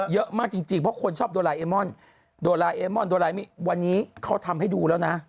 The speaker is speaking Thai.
เยอะมากจริงเพราะคนชอบโดราเอมอนโดราเอมอนโดไลวันนี้เขาทำให้ดูแล้วนะ